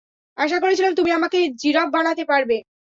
আশা করেছিলাম তুমি আমাকে জিরাফ বানাতে পারবে।